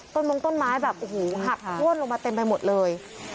ต้นมงต้นไม้แบบหักห้วนลงมาเต็มไปหมดเลย